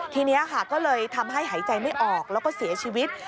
ทีนี้ค่ะก็เลยทำให้หายใจไม่ออกแล้วก็เสียชีวิต